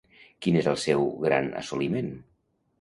Quin és el seu gran assoliment?